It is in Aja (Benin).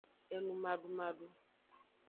Enumadumadu.